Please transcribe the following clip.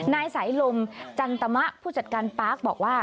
นายสายลมจันตมะผู้จัดการปาร์คบอกว่า